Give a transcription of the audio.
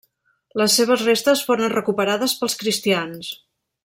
Les seves restes foren recuperades pels cristians.